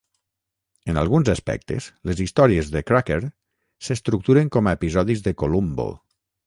En alguns aspectes, les històries de "Cracker" s'estructuren com a episodis de "Columbo".